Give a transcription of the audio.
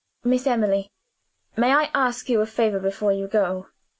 "Miss Emily, may I ask you a favor before you go?